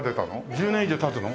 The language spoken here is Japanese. １０年以上経つの？